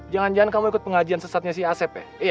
jangan jangan kamu ikut pengajian sesatnya si asep ya